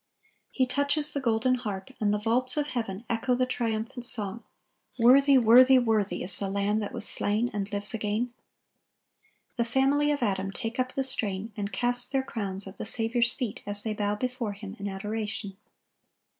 He touches the golden harp, and the vaults of heaven echo the triumphant song, "Worthy, worthy, worthy is the Lamb that was slain, and lives again!" The family of Adam take up the strain, and cast their crowns at the Saviour's feet as they bow before Him in adoration.